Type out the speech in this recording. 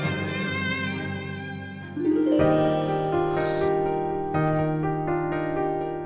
aku akan mencari seragam